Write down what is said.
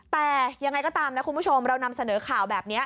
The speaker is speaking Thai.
แต่ยังไงก็ตามนะคุณผู้ชมเรานำเสนอข่าวแบบนี้